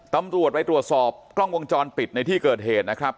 ตำรวจไปตรวจสอบกล้องวงจรปิดในที่เกิดเหตุนะครับ